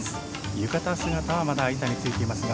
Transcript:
浴衣姿はまだ板に付いていますが。